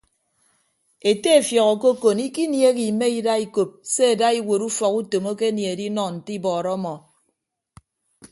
Ete efiọk okokon ikiniehe ime ida ikop se ada iwuot ufọk utom akenie edinọ nte ibọọrọ ọmọ.